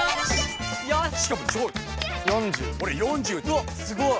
うわっすごい！